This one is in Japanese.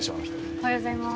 ・おはようございます。